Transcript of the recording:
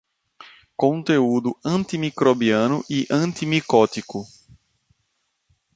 Conteúdo antimicrobiano e antimicótico